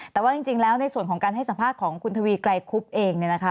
แต่ว่าจริงแล้วในส่วนของการให้สัมภาษณ์ของคุณทวีไกรคุบเองเนี่ยนะคะ